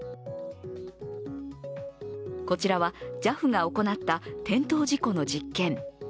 こちらはＪＡＦが行った転倒事故の実験。